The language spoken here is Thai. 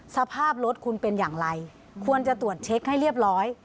สภาพรถคุณเป็นอย่างไรควรจะตรวจเช็คให้เรียบร้อย